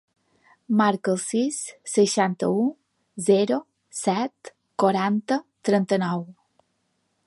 Marca el sis, seixanta-u, zero, set, quaranta, trenta-nou.